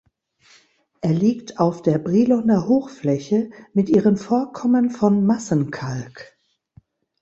Er liegt auf der Briloner Hochfläche mit ihren Vorkommen von Massenkalk.